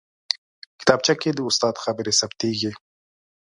کتابچه کې د استاد خبرې ثبتېږي